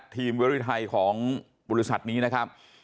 เวอรี่ไทยของบริษัทนี้นะครับ